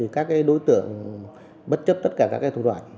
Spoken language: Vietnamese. các đối tượng bất chấp tất cả các thủ đoạn